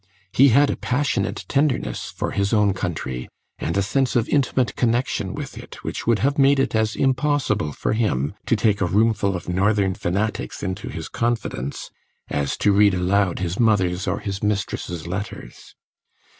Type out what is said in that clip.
He had a passionate tenderness for his own country, and a sense of intimate connexion with it which would have made it as impossible for him to take a roomful of Northern fanatics into his confidence as to read aloud his mother's or his mistress's letters.